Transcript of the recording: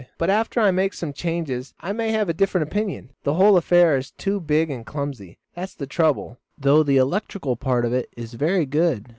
"But after I make some changes I may have a different opinion. The whole affair is too big and clumsy, that's the trouble; though the electrical part of it is very good."